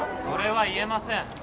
それは言えません。